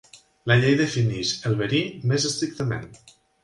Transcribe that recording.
La llei defineix el "verí" més estrictament.